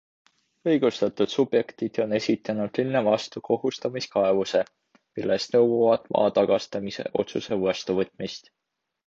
Õigustatud subjektid on esitanud linna vastu kohustamiskaebuse, milles nõuavad maa tagastamise otsuse vastuvõtmist.